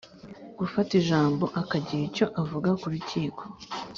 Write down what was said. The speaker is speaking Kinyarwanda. gufata ijamba akagira icyo avuga ku rukiko